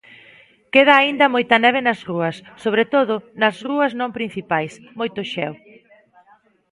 Queda aínda moita neve nas rúas, sobre todo nas rúas non principais, moito xeo.